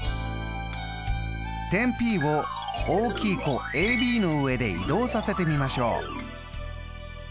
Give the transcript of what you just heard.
点Ｐを大きい弧ＡＢの上で移動させてみましょう。